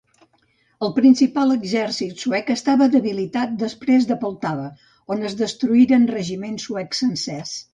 El principal exèrcit suec estava debilitat després de Poltava, on es destruïren regiments suecs sencers.